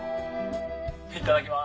いただきます。